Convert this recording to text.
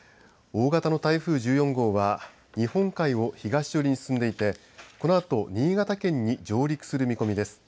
大型の台風１４号は日本海を東寄りに進んでいてこのあと新潟県に上陸する見込みです。